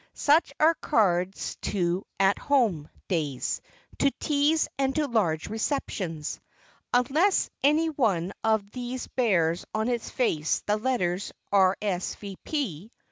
Such are cards to "At Home" days, to teas and to large receptions. Unless any one of these bears on its face the letters "R. s. v. p."